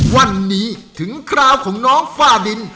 วันนี้ถึงคราวของน้องฝ้าดิน